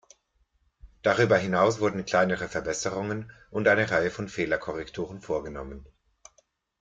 Darüber hinaus wurden kleinere Verbesserungen und eine Reihe von Fehlerkorrekturen vorgenommen.